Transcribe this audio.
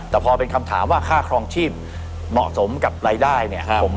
แต่พอเป็นคำถามว่าค่าครองชีพเหมาะสมกับรายได้เนี่ย